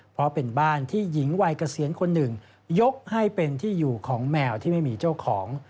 เพราะเป็นบ้านที่หญิงวัยเกษียณคนหนึ่งยกให้เป็นที่อยู่ของแมวที่ไม่มีเจ้าของ